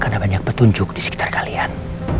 karena banyak petunjuk disekitar kalian